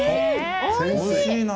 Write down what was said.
おいしい。